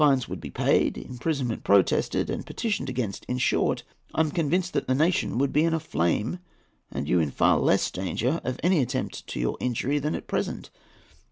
Fines would be paid; imprisonment protested and petitioned against; in short, I am convinced the nation would be in a flame, and you in far less danger of any attempt to your injury than at present.